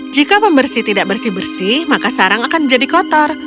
jika pembersih tidak bersih bersih maka sarang akan menjadi kotor